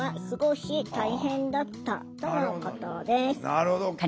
なるほど。